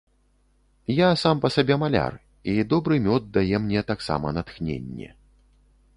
Я сам па сабе маляр, і добры мёд дае мне таксама натхненне.